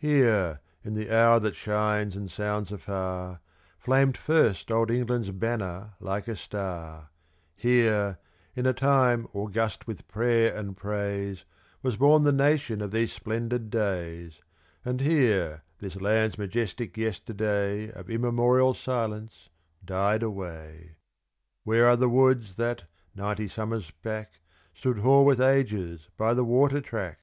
Here, in the hour that shines and sounds afar, Flamed first old England's banner like a star; Here, in a time august with prayer and praise, Was born the nation of these splendid days; And here this land's majestic yesterday Of immemorial silence died away. Where are the woods that, ninety summers back, Stood hoar with ages by the water track?